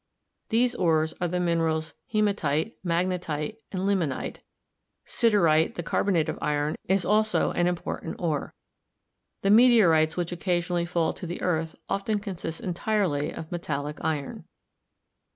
These ores are the minerals hematite, magnetite and limonite; siderite, the carbonate of iron, is also an important ore. The meteorites which occasionally fall to the earth often consist entirely of metallic iron.